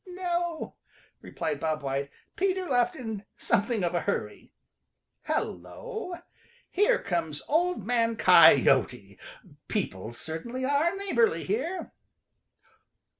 "No," replied Bob White. "Peter left in something of a hurry. Hello! Here comes Old Man Coyote. People certainly are neighborly here.